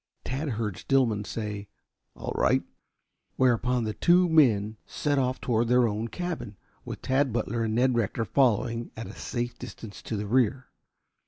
Tad heard Stillman say, "All right," whereupon the two men set off toward their own cabin, with Tad Butler and Ned Rector following at a safe distance to the rear.